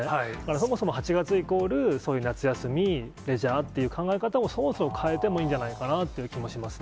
そもそも８月イコールそういう夏休み、レジャーという考え方を、そもそも変えてもいいんじゃないかなという気もしますね。